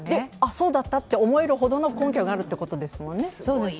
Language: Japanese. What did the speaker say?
そうだったと思えるほどの根拠があるってことですもんね。